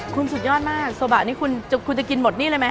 คุณสุดยอดมากโซบะนี่คุณจะกินหมดนี่เลยไหม